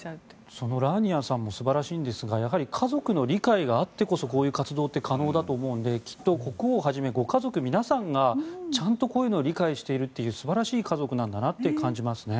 そのラーニアさんも素晴らしいんですがやはり、家族の理解があってこそこういう活動って可能だと思うのできっと国王をはじめご家族皆さんが、ちゃんとこういうのを理解しているという素晴らしい家族なんだなと感じますね。